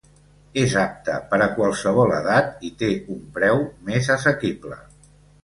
És apte per a qualsevol edat i té un preu més assequible.